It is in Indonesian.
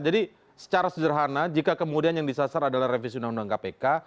jadi secara sederhana jika kemudian yang disasar adalah revisi undang undang kpk